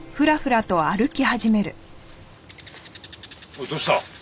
おいどうした？